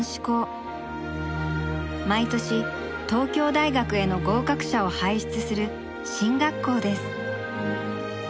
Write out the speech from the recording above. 毎年東京大学への合格者を輩出する進学校です。